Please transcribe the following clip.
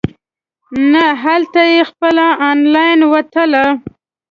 نه هلته یې خپله انلاین وتله.